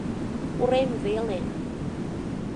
Пурем веле.